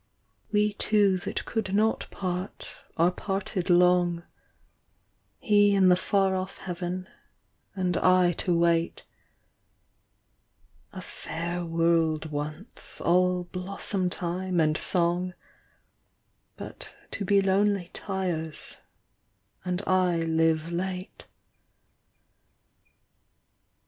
We two that could not part are parted long ; He in the far off Heaven, and I to wait. A f^dr world once, all blossom time and song ; But to be lonely tires, and I live late.